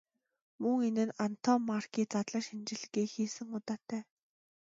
Мөн энд Антоммарки задлан шинжилгээ хийсэн удаатай.